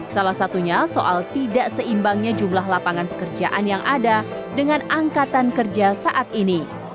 salah satunya soal tidak seimbangnya jumlah lapangan pekerjaan yang ada dengan angkatan kerja saat ini